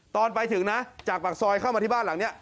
ตอนไปถึงนะจากปากซอยเข้ามาที่บ้านหลังนี้